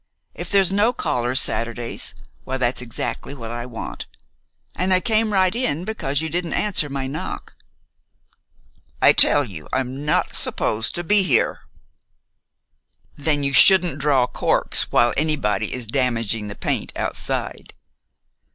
If there's no callers Saturdays, why, that's exactly what I want, and I came right in because you didn't answer my knock." "I tell you I'm not supposed to be here." "Then you shouldn't draw corks while anybody is damaging the paint outside."